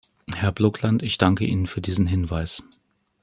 Herr Blokland, ich danke Ihnen für diesen Hinweis.